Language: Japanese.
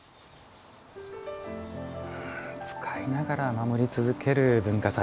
使いながら守り続ける文化財。